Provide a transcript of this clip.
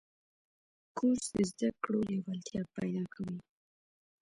کورس د زده کړو لیوالتیا پیدا کوي.